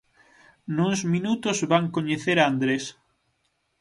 Nuns minutos van coñecer a Andrés.